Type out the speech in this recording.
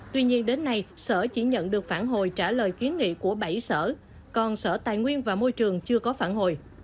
tuy nhiên đến nay sở chỉ nhận được phản hồi trả lời kiến nghị của bảy sở còn sở tài nguyên và môi trường chưa có phản hồi